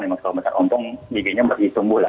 memang kalau macan ompong giginya masih tumbuh lah